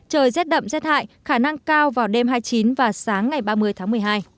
trời rét đậm rét hại khả năng cao vào đêm hai mươi chín và sáng ngày ba mươi tháng một mươi hai